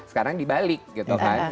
sekarang dibalik gitu kan